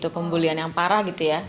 pembulian yang parah gitu ya